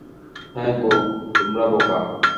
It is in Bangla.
হাঁ গো, তোমরা বোকা!